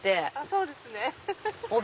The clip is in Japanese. そうですね。